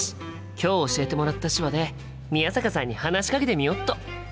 今日教えてもらった手話で宮坂さんに話しかけてみよっと！